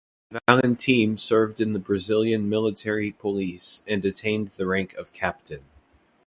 Valentim served in the Brazilian military police and attained the rank of captain.